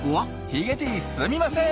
ヒゲじいすみません！